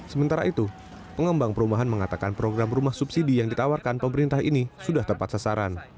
sementara itu pengembang perumahan mengatakan program rumah subsidi yang ditawarkan pemerintah ini sudah tepat sasaran